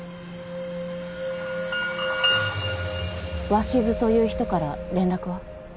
鷲津という人から連絡は？